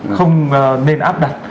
không nên áp đảm